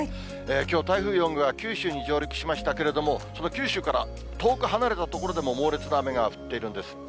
きょう、台風４号は九州に上陸しましたけれども、その九州から遠く離れた所でも、猛烈な雨が降っているんです。